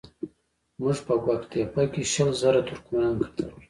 موږ په ګوک تېپه کې شل زره ترکمنان قتل کړل.